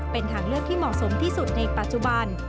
เป็นทางเลือกที่เหมาะสมที่สุดในปัจจุบัน